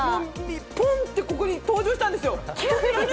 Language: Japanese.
ポンって登場したんですよ。